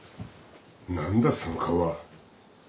何だその顔は。